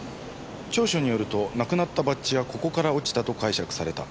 調書によるとなくなったバッジはここから落ちたと解釈された。